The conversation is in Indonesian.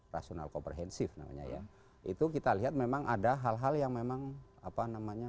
rasional komprehensif namanya ya itu kita lihat memang ada hal hal yang memang apa namanya